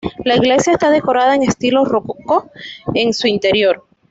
La iglesia está decorada en estilo rococó en su interior.